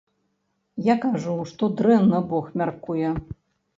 Я кажу, што дрэнна бог мяркуе.